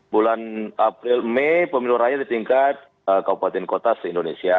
bulan april mei pemilu raya di tingkat kabupaten kota se indonesia